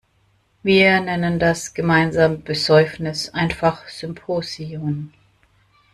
Wir nennen das gemeinsame Besäufnis einfach Symposion.